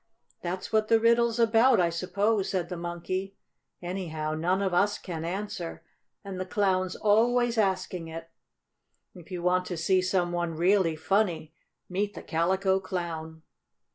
"That's what the riddle's about, I suppose," said the Monkey. "Anyhow, none of us can answer, and the Clown's always asking it. If you want to see some one really funny, meet the Calico Clown."